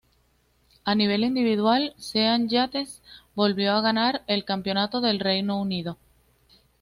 A nivel individual, Sean Yates volvió a ganar el Campeonato del Reino Unido.